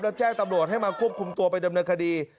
แล้วแจ้งตำรวจให้มาควบคุมตัวไปดำเนินคดี